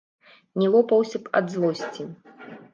Не лопаўся б ад злосці.